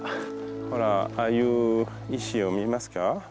ほらああいう石を見えますか。